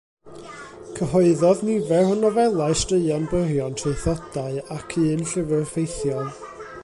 Cyhoeddodd nifer o nofelau, straeon byrion, traethodau, ac un llyfr ffeithiol.